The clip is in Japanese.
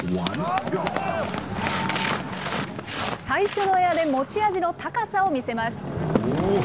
最初のエアで持ち味の高さを見せます。